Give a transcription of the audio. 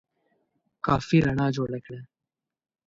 کافي رڼا جوړه کړه !